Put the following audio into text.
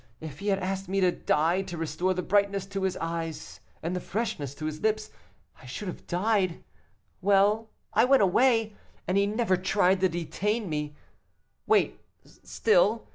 If he had asked me to die to restore the brightness to his eyes, and the freshness to his lips, I should have died. Well, I went away, and he never tried to detain me. Wait still.